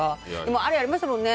あれ、ありましたもんね。